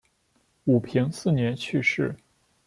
武平四年去世。